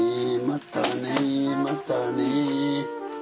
またねまたねぇ。